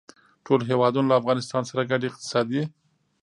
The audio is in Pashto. ټول هېوادونه له افغانستان سره ګډې اقتصادي